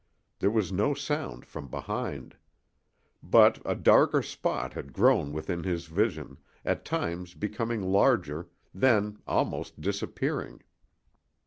There was no sound from behind. But a darker spot had grown within his vision, at times becoming larger, then almost disappearing.